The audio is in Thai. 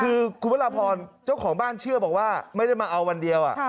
คือคุณพระราพรเจ้าของบ้านเชื่อบอกว่าไม่ได้มาเอาวันเดียว